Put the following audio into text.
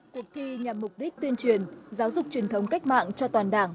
cuộc thi nhằm mục đích tuyên truyền giáo dục truyền thống cách mạng cho toàn đảng